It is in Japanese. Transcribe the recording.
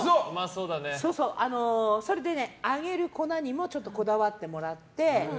それでね、揚げる粉にもこだわってもらって。